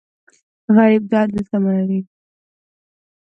غریب د عدل تمه لري